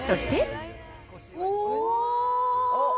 おー。